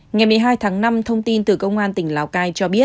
ngày một mươi hai tháng năm thông tin từ công an tỉnh lào cai cho biết